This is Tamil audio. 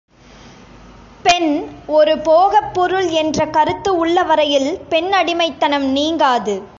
பெண், ஒரு போகப் பொருள் என்ற கருத்து உள்ளவரையில் பெண்ணடிமைத்தனம் நீங்காது.